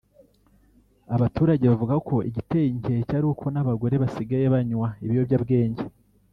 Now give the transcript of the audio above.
Abaturage bavuga ko igiteye inkeke ari uko n’abagore basigaye banywa ibiyobyabwenge